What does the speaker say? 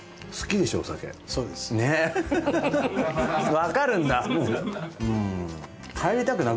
わかるんだ。